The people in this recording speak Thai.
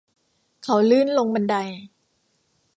เขาลื่นลงบันได